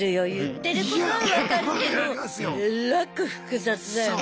言ってることは分かるけどえらく複雑だよね。